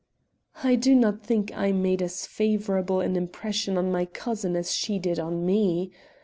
"I do not think I made as favorable an impression on my cousin as she did on me.